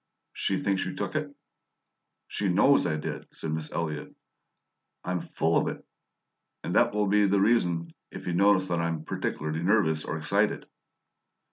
"She thinks you took it?" "She KNOWS I did," said Miss Elliott. "I'm full of it! And that will be the reason if you notice that I'm particularly nervous or excited."